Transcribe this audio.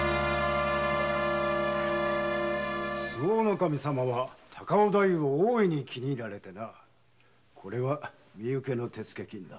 守様は高尾太夫を大いに気に入られてなこれは身請けの手付金だ。